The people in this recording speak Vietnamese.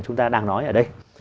chúng ta đang nói ở đây